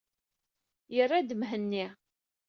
Yerra-d Mhenni.